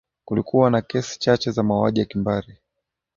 kulikuwa na kesi chache za mauaji ya kimbari